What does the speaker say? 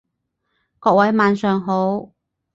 各位晚上好